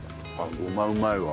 ごまうまいわ。